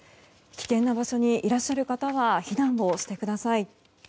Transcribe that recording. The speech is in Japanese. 危険な場所にいらっしゃる方は避難をしてください。